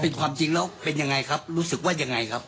เป็นความจริงแล้วเป็นยังไงครับรู้สึกว่ายังไงครับ